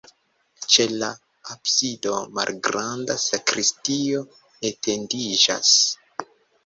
Ĉe la absido malgranda sakristio etendiĝas.